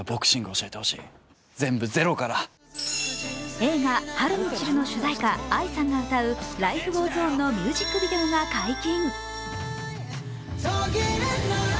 映画「春に散る」の主題歌ＡＩさんが歌う「ＬｉｆｅＧｏｅｓＯｎ」のミュージックビデオが解禁。